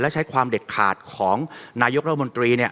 และใช้ความเด็ดขาดของนายกรัฐมนตรี